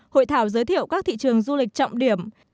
hội thảo giới thiệu các thị trường du lịch trọng điểm